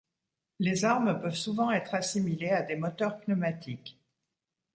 Les armes peuvent souvent être assimilées à des moteurs pneumatiques.